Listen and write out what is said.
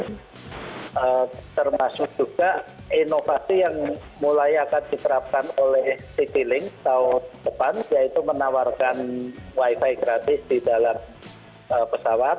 nah termasuk juga inovasi yang mulai akan diterapkan oleh citylink tahun depan yaitu menawarkan wifi gratis di dalam pesawat